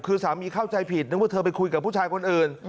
คือสามีเข้าใจผิดนึกว่าเธอไปคุยกับผู้ชายคนอื่น